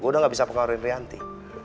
gue udah gak bisa pengaruhi rianti